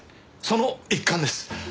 その一環です。